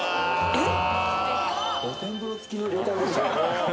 えっ？